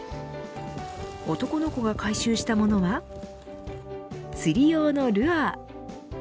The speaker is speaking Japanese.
男の子が回収したものは釣り用のルアー。